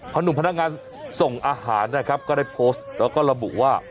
หนุ่มพนักงานส่งอาหารนะครับก็ได้โพสต์แล้วก็ระบุว่า